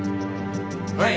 はい。